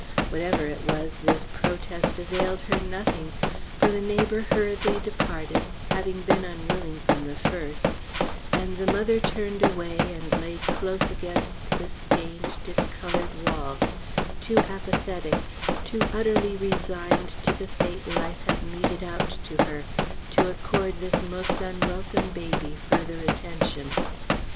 Whatever it was, this protest availed her nothing, for the neighbour hurriedly departed, having been unwilling from the first, and the mother turned away and lay close against the stained, discoloured wall, too apathetic, too utterly resigned to the fate life had meted out to her to accord this most unwelcome baby further attention.